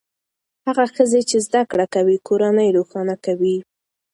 هغه ښځې چې زده کړې کوي کورنۍ روښانه کوي.